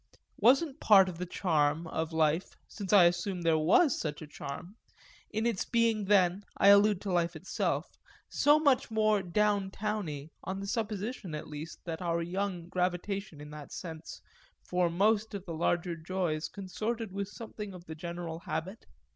Wasn't part of the charm of life since I assume that there was such a charm in its being then (I allude to life itself) so much more down towny, on the supposition at least that our young gravitation in that sense for most of the larger joys consorted with something of the general habit?